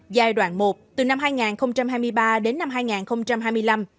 giai đoạn một từ năm hai nghìn hai mươi ba đến năm hai nghìn hai mươi năm